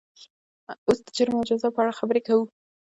اوس د جرم او جزا په اړه خبرې کوو.